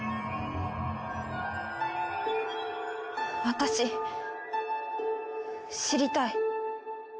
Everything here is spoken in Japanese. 私知りたい。